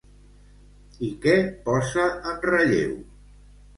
I què posa en relleu?